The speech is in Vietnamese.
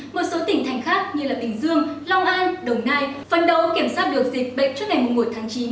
một số tỉnh thành khác như bình dương long an đồng nai phân đấu kiểm soát được dịch bệnh trước ngày một tháng chín